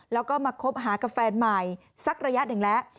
แล้วก็มาคบหากับแฟนใหม่สักระยะหนึ่งแล้ว